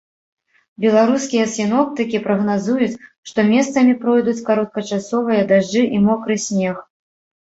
Беларускія сіноптыкі прагназуюць, што месцамі пройдуць кароткачасовыя дажджы і мокры снег.